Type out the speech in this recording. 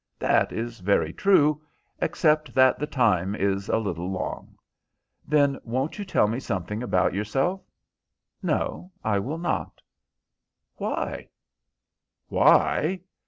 "That is very true, except that the time is a little long." "Then won't you tell me something about yourself?" "No, I will not." "Why?" "Why?